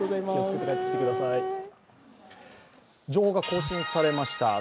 情報が更新されました。